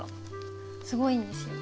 すごいんですよ。